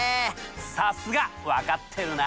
さすが分かってるな。